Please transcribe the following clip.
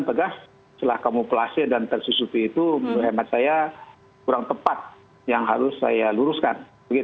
tegas setelah kamuflase dan tersusupi itu menurut hemat saya kurang tepat yang harus saya luruskan